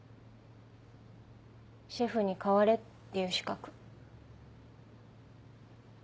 シェフに「変われ」って言う資格。